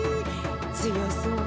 強そう。